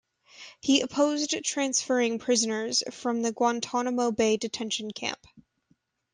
He opposed transferring prisoners from the Guantanamo Bay detention camp.